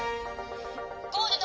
「ゴールド！